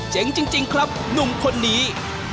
ขอบคุณครับหนุ่มคนนี้